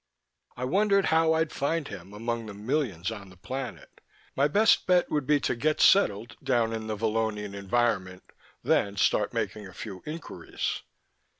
I wondered how I'd find him among the millions on the planet. My best bet would be to get settled down in the Vallonian environment, then start making a few inquiries.